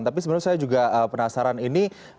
tapi sebenarnya saya juga penasaran ini